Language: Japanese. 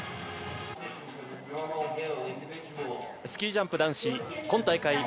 スキージャンプ男子今大会